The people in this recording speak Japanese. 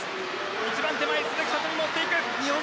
一番手前、鈴木聡美も追っていく。